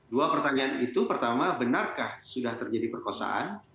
dua pertanyaan itu pertama benarkah sudah terjadi perkosaan